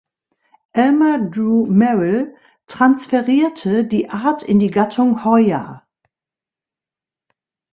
Elmer Drew Merrill transferierte die Art in die Gattung "Hoya".